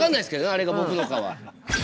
あれが僕のかは。